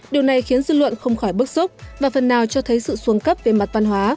điều này khiến dư luận không khỏi bức xúc và phần nào cho thấy sự xuống cấp về mặt văn hóa